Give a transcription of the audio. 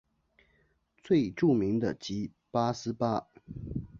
最著名的即八思巴。